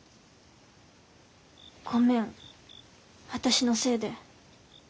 ごめん私のせいで。